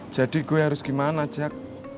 jadi gue harus gimana jack